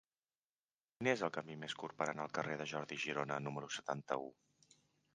Quin és el camí més curt per anar al carrer de Jordi Girona número setanta-u?